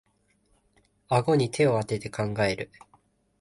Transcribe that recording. あごに手をあてて考える